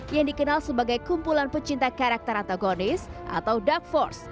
yang dikenal sebagai kumpulan pecinta karakter antagonis atau dak force